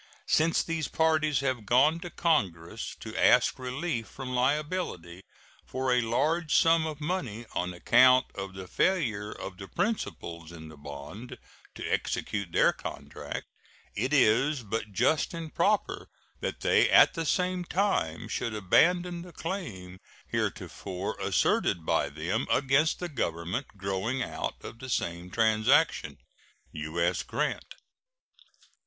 Since these parties have gone to Congress to ask relief from liability for a large sum of money on account of the failure of the principals in the bond to execute their contract, it is but just and proper that they at the same time should abandon the claim heretofore asserted by them against the Government growing out of the same transaction. U.S. GRANT.